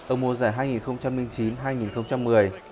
ở mùa giải hai nghìn chín hai nghìn một mươi